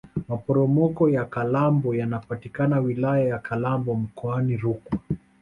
maporomoko ya kalambo yanapatikana wilaya ya kalambo mkoani rukwa